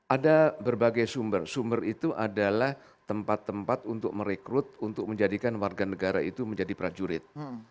ada berbagai sumber sumber itu adalah tempat tempat untuk merekrut untuk menjadikan warga negara itu menjadi prajurit